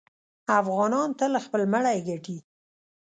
افغانان تل خپل مړی ګټي.